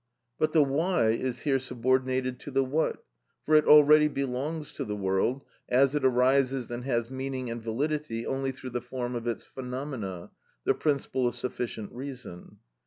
But the why is here subordinated to the what, for it already belongs to the world, as it arises and has meaning and validity only through the form of its phenomena, the principle of sufficient reason.